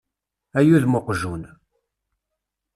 Ay udem uqejjun!